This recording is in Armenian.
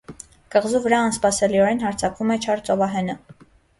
Կղզու վրա անսպասելիորեն հարձակվում է չար ծովահենը։